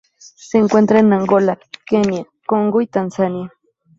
Se encuentra en Angola, Kenia, Congo y Tanzania.